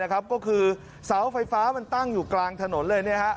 ก็คือเสาไฟฟ้ามันตั้งอยู่กลางถนนเลย